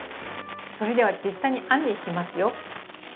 それでは実際に編んでいきますよ。